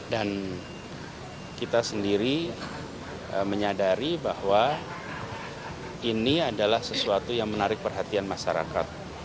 dan kita sendiri menyadari bahwa ini adalah sesuatu yang menarik perhatian masyarakat